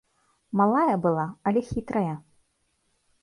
Малая была, але хітрая.